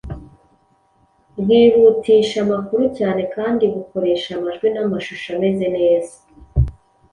Bwihutisha amakuru cyane kandi bukoresha amajwi n’amashusho ameze neza.